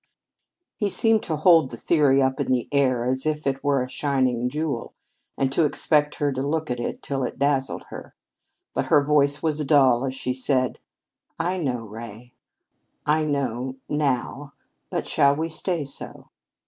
He seemed to hold the theory up in the air as if it were a shining jewel, and to expect her to look at it till it dazzled her. But her voice was dull as she said: "I know, Ray. I know now but shall we stay so?"